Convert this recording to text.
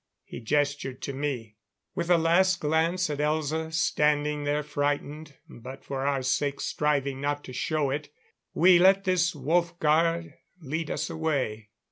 He gestured to me. With a last glance at Elza, standing there frightened, but for our sakes striving not to show it, we let this Wolfgar lead us away.